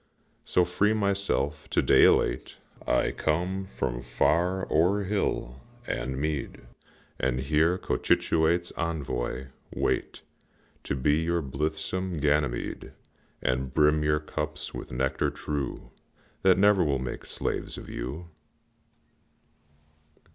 So, free myself, to day, elate I come from far o'er hill and mead, And here, Cochituate's envoy, wait To be your blithesome Ganymede, And brim your cups with nectar true That never will make slaves of you.